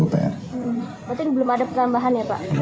berarti belum ada penambahan ya pak